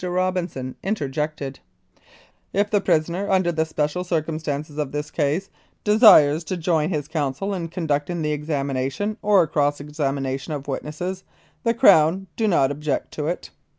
Robinson interjected :" If the prisoner under the special circumstances of this case desires to join his counsel in conducting the examination or cross examina tion of witness, the Crown do not object to it."